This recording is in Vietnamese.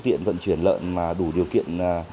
tiện vận chuyển lợn mà đủ điều kiện